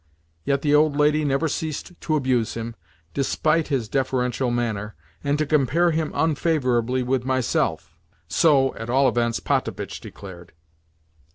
Yet the old lady never ceased to abuse him, despite his deferential manner, and to compare him unfavourably with myself (so, at all events, Potapitch declared).